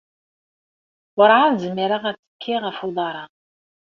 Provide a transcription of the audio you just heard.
Urɛad zmireɣ ad ttekkiɣ ɣef uḍar-a.